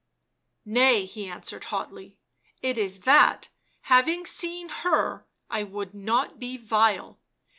" Nay," he answered hotly. "It is that, having seen her, I would not be vile.